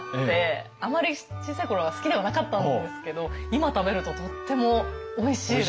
あまり小さい頃は好きではなかったんですけど今食べるととってもおいしいです。